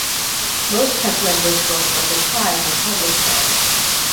Most Czech language books of his time were published there.